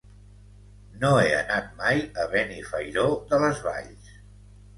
No he anat mai a Benifairó de les Valls.